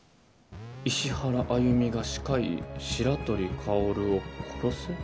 「石原歩美が歯科医・白鳥薫を殺せ」？